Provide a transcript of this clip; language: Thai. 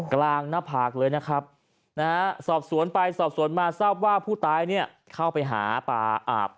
กลางหน้าผากเลยนะครับนะฮะสอบสวนไปสอบสวนมาทราบว่าผู้ตายเนี่ยเข้าไปหาปลาอาบ